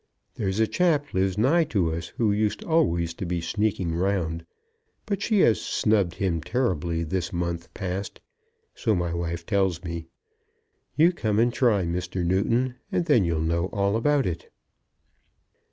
There's a chap lives nigh to us who used always to be sneaking round; but she has snubbed him terribly this month past. So my wife tells me. You come and try, Mr. Newton, and then you'll know all about it."